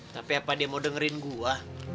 tapi apa dia mau dengerin gue